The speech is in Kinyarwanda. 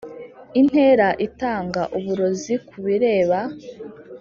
intera itanga uburozi kubireba